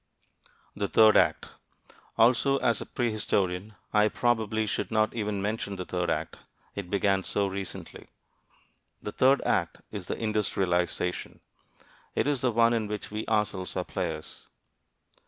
THE THIRD ACT Also, as a prehistorian I probably should not even mention the third act it began so recently. The third act is The Industrialization. It is the one in which we ourselves are players.